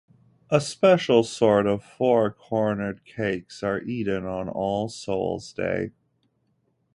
A special sort of four-cornered cakes are eaten on All Souls' Day.